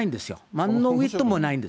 なんのウイットもないんです。